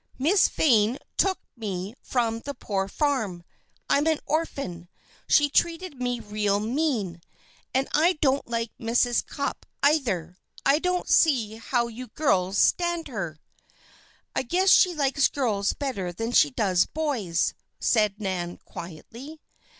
"Miss Vane took me from the poor farm. I'm an orphan. She treated me real mean. And I don't like Mrs. Cupp, either. I don't see how you girls stand her." "I guess she likes girls better than she does boys," said Nan, quietly.